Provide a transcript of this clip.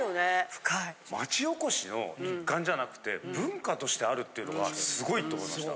・深い・町おこしの一環じゃなくて文化としてあるっていうのが凄い！と思いました。